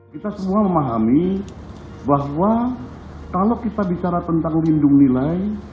kita semua memahami bahwa kalau kita bicara tentang lindung nilai